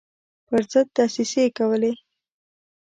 پر ضد دسیسې کولې.